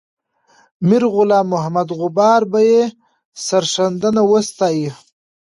میرغلام محمد غبار به یې سرښندنه وستایي.